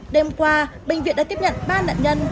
đêm qua bệnh viện đã tiếp nhận ba nạn nhân